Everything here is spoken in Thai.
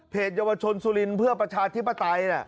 เยาวชนสุรินทร์เพื่อประชาธิปไตย